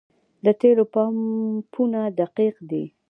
د تیلو پمپونه دقیق دي؟